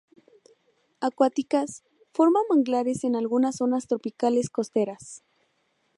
Acuáticas, forma manglares en algunas zonas tropicales costeras.